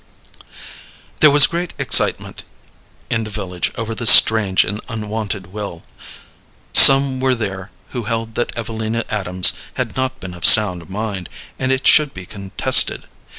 There was great excitement in the village over this strange and unwonted will. Some were there who held that Evelina Adams had not been of sound mind, and it should be contested.